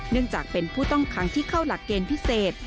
เนื่องจากเป็นผู้ต้องขังที่เข้าหลักเกณฑ์พิเศษ